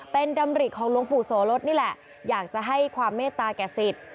เป็นดำริของหลวงปู่โสลดนี่แหละอยากจะให้ความเมตตาแก่สิทธิ์